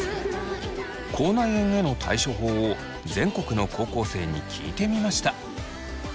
口内炎への対処法を全国の高校生に聞いてみました。